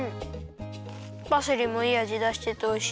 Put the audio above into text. パセリもいいあじだしてておいしい。